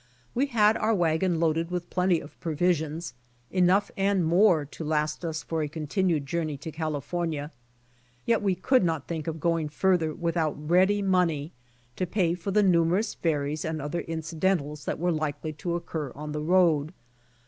We had our wagon loaded with plenty of provisions, enough and more to last us for a continued journey to California. Yet wo could not think of going farther without ready money to pay for the numerous ferries and other incidentals that were likely to occur on the road.